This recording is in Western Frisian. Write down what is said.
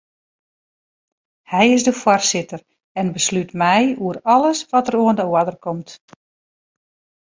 Hy is de foarsitter en beslút mei oer alles wat oan de oarder komt.